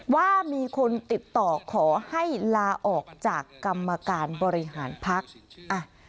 ว่ามีคนติดต่อขอให้ลาออกจากกรรมการบริหารพักอ่ะ